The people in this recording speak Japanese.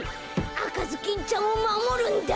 あかずきんちゃんをまもるんだ。